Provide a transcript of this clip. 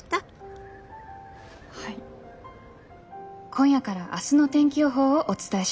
今夜から明日の天気予報をお伝えしました。